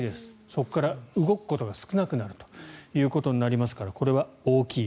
そこから動くことが少なくなるということになりますからこれは大きい。